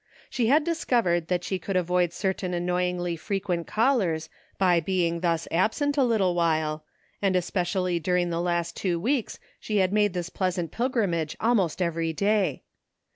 She had discovered that she could avoid certain annoy ingly frequent callers by being thus absent a little while, and especially dtu'ing the last two weeks she had made this pleasant pilgrimage almost every day.